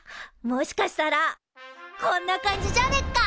もしかしたらこんな感じじゃねっか？